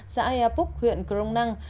xã ea púc huyện crong năng